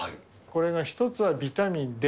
これが１つがビタミンＤ。